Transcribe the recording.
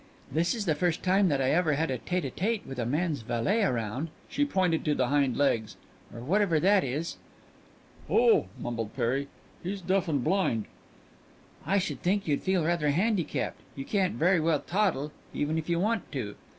"This is the first time that I ever had a tête à tête with a man's valet 'round" she pointed to the hind legs "or whatever that is." "Oh," mumbled Perry, "he's deaf and blind." "I should think you'd feel rather handicapped you can't very well toddle, even if you want to."